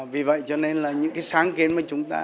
vì vậy cho nên là những cái sáng kiến mà chúng ta